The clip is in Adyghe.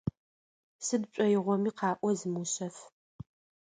Сыд пшӏоигъоми къаӏо, зымыушъэф.